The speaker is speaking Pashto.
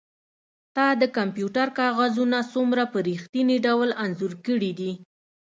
تا د کمپیوټر کاغذونه څومره په ریښتیني ډول انځور کړي دي